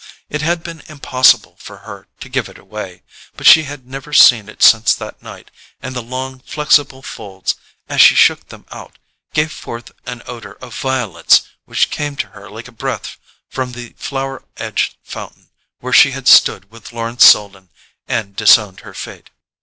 It had been impossible for her to give it away, but she had never seen it since that night, and the long flexible folds, as she shook them out, gave forth an odour of violets which came to her like a breath from the flower edged fountain where she had stood with Lawrence Selden and disowned her fate.